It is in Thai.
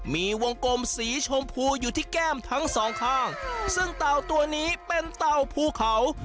มีวงกลมสีชมพูอยู่ที่แก้มทั้งสองข้างซึ่งเต่าตัวนี้เป็นเต่าภูเขา